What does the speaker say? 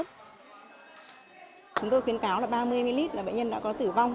chúng tôi khuyến cáo là ba mươi ml là bệnh nhân đã có tử vong